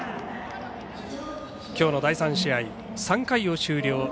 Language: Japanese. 今日の第３試合、３回を終了。